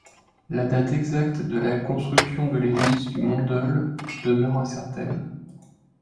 La date exacte de la construction de l'église du Mont-Dol demeure incertaine.